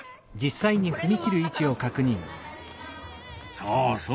そうそう！